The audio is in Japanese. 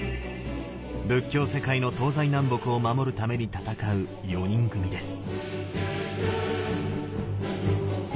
仏教世界の東西南北を守るために戦う４人組です。